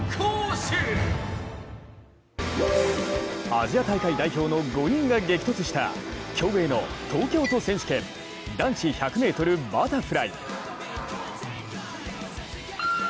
アジア大会代表の５人が激突した競泳の東京都選手権、男子１００ｍバタフライ。